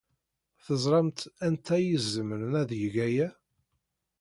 Teẓramt anta ay izemren ad yeg aya?